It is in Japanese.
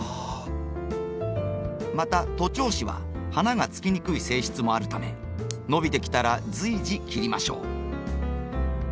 また徒長枝は花がつきにくい性質もあるため伸びてきたら随時切りましょう。